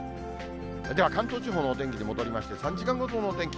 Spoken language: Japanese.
では、関東地方のお天気に戻りまして、３時間ごとのお天気。